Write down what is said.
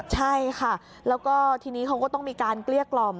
ใช่ค่ะแล้วก็ทีนี้เขาก็ต้องมีการเกลี้ยกล่อม